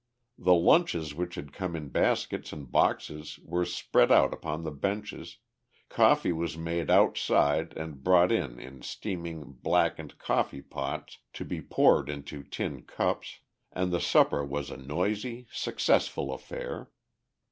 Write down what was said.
The lunches which had come in baskets and boxes were spread out upon the benches, coffee was made outside and brought in in steaming, blackened coffee pots to be poured into tin cups, and the supper was a noisy, successful affair.